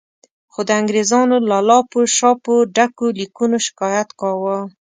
خو د انګریزانو له لاپو شاپو ډکو لیکونو شکایت کاوه.